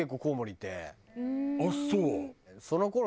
あっそう。